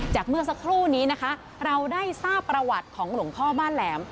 เมื่อสักครู่นี้นะคะเราได้ทราบประวัติของหลวงพ่อบ้านแหลม